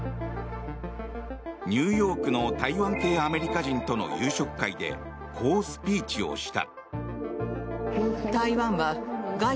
ニューヨークの台湾系アメリカ人との夕食会でこうスピーチをした。